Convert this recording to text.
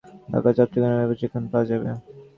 ঢাকা ও চট্টগ্রামে এ প্রশিক্ষণ পাওয়া যাবে।